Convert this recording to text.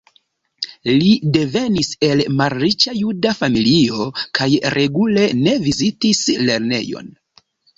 Li devenis el malriĉa juda familio kaj regule ne vizitis lernejon.